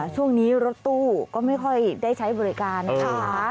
ช่วงนี้รถตู้ก็ไม่ค่อยได้ใช้บริการนะคะ